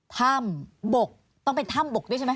ถ้ำบกต้องเป็นถ้ำบกด้วยใช่ไหม